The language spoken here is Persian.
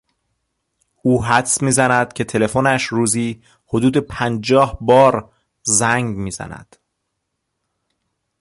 او حدس میزند که تلفنش روزی حدود پنجاه بار زنگ میزند.